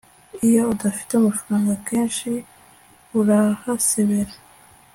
iyo udafite amafaranga akenshi urahasebera